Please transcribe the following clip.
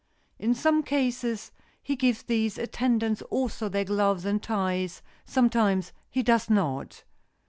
In some cases he gives these attendants also their gloves and ties; sometimes he does not.